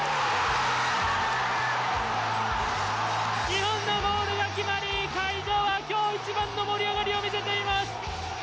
日本のゴールが決まり、会場は今日一番の盛り上がりを見せています！